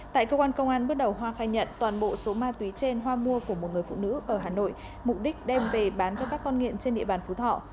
tại cơ quan công an bước đầu hoa khai nhận toàn bộ số ma túy trên hoa mua của một người phụ nữ ở hà nội mục đích đem về bán cho các con nghiện trên địa bàn phú thọ